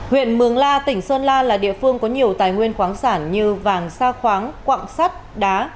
huyện mường la tỉnh sơn la là địa phương có nhiều tài nguyên khoáng sản như vàng sa khoáng quặng sắt đá